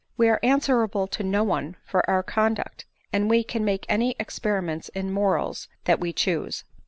We are answerable to no one for our conduct ; and we can make any experiments in morals that we choose.